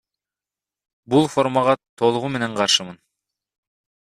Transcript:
Бул формага толугу менен каршымын.